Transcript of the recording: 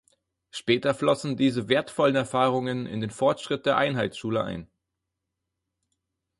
Später flossen diese wertvollen Erfahrungen in den Fortschritt der Einheitsschule ein.